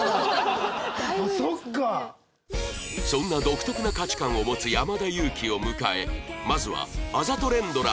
そんな独特な価値観を持つ山田裕貴を迎えまずはあざと連ドラ